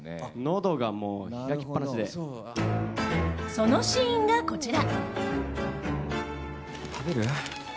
そのシーンがこちら。